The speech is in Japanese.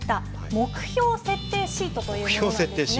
目標設定シートというものなんですね。